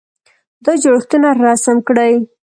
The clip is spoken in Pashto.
دا جوړښتونه رسم کړئ.